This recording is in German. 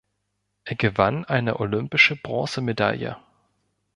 Er gewann eine olympische Bronzemedaille.